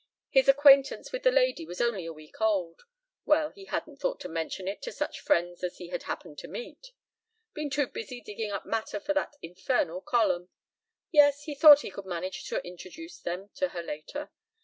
His acquaintance with the lady was only a week old. Well, he hadn't thought to mention it to such friends as he had happened to meet. Been too busy digging up matter for that infernal column. Yes, he thought he could manage to introduce them to her later.